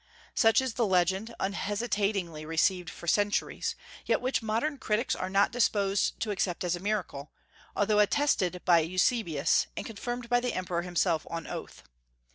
Such is the legend, unhesitatingly received for centuries, yet which modern critics are not disposed to accept as a miracle, although attested by Eusebius, and confirmed by the emperor himself on oath.